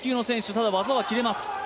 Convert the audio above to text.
ただ、技は切れます。